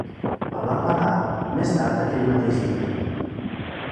El van matar més tard aquell mateix dia.